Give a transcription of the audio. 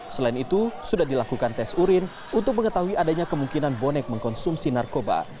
selain itu sudah dilakukan tes urin untuk mengetahui adanya kemungkinan bonek mengkonsumsi narkoba